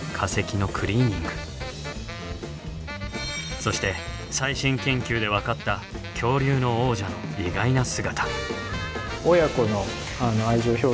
そして最新研究で分かった恐竜の王者の意外な姿。